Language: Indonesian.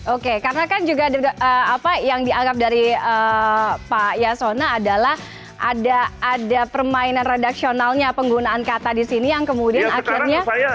oke karena kan juga apa yang dianggap dari pak yasona adalah ada permainan redaksionalnya penggunaan kata di sini yang kemudian akhirnya